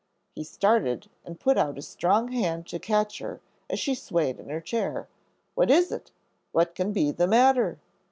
he started and put out a strong hand to catch her as she swayed in her chair, "what is it? What can be the matter?"